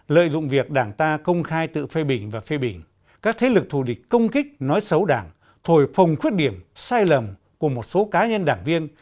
lợi dụng việc đảng ta công khai tự phê bình và phê bình các thế lực thù địch công kích nói xấu đảng thổi phồng khuyết điểm sai lầm của một số cá nhân đảng viên